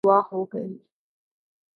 بدعا ہو گئی